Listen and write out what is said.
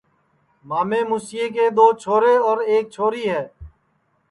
مامے موسیے جے دو چھورے اور ایک چھوری ہے